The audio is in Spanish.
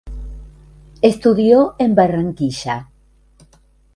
Estudió en Barranquilla.